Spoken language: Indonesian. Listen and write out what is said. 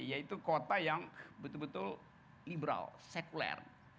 yaitu kota yang betul betul liberal sekuler